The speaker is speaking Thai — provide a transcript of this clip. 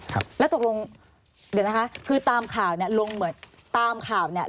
ครับแล้วตกลงเดี๋ยวนะคะคือตามข่าวเนี่ยลงเหมือนตามข่าวเนี้ย